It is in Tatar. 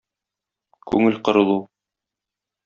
Күңел кырылу.